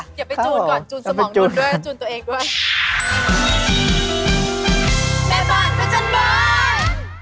เดี๋ยวไปจูนก่อนจูนสมองดูดด้วยจูนตัวเองด้วย